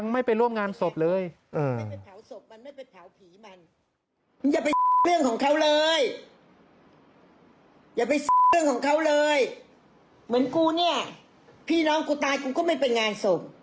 พี่น้องกูตายกูก็ไม่ไปงานศพ